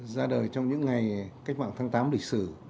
ra đời trong những ngày cách mạng tháng tám lịch sử